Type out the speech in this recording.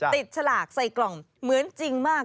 ฉลากใส่กล่องเหมือนจริงมาก